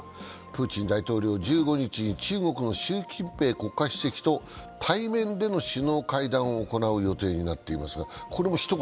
プーチン大統領は１５日に中国の習近平国家主席と対面での首脳会談を行う予定になっています。